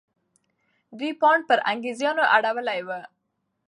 دوی پاڼ پر انګریزانو اړولی وو.